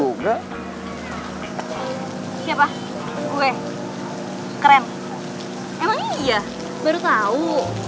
siapa gue keren emang iya baru tau